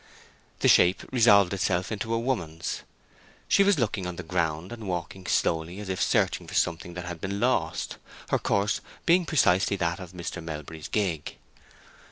The shape resolved itself into a woman's; she was looking on the ground, and walking slowly as if searching for something that had been lost, her course being precisely that of Mr. Melbury's gig.